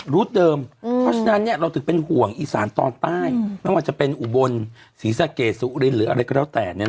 เดิมเพราะฉะนั้นเราถึงเป็นห่วงอีสานตอนใต้ไม่ว่าจะเป็นอุบลศรีสะเกดสุรินหรืออะไรก็แล้วแต่